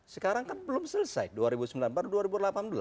sekarang kan belum selesai dua ribu sembilan baru dua ribu delapan belas